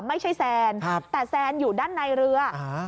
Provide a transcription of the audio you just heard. ไม่ใช่แซนแต่แซนอยู่ด้านในเรือ